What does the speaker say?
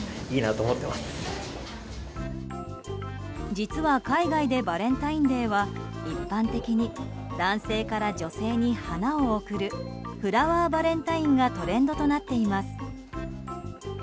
実は海外でバレンタインデーは一般的に男性から女性に花を贈るフラワーバレンタインがトレンドとなっています。